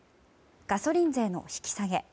ガソリン税の引き下げ。